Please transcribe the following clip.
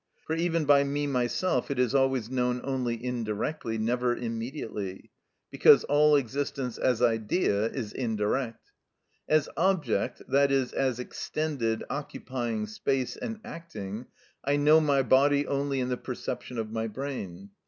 For even by me myself it is always known only indirectly, never immediately; because all existence as idea is indirect. As object, i.e., as extended, occupying space and acting, I know my body only in the perception of my brain.